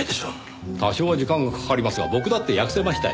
多少は時間がかかりますが僕だって訳せましたよ。